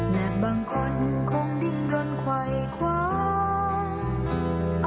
แม้บางคนคงดิ้นรนไขว่ความ